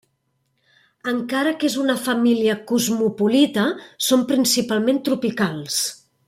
Encara que és una família cosmopolita són principalment tropicals.